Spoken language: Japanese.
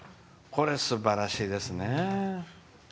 すばらしいですね。